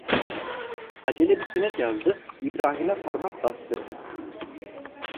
Acele bir senet yazdı, İbrahim'e parmak bastırdı.